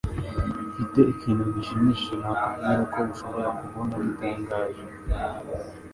Mfite ikintu gishimishije nakubwira ko ushobora kubona gitangaje.